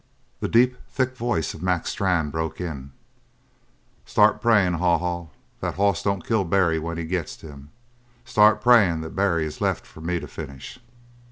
The deep, thick voice of Mac Strann broke in: "Start prayin', Haw Haw, that the hoss don't kill Barry when he gets to him. Start prayin' that Barry is left for me to finish."